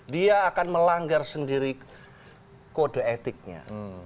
dia akan melanggar sendiri kode etiknya